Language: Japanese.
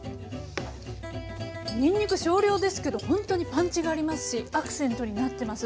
にんにく少量ですけどほんとにパンチがありますしアクセントになってます。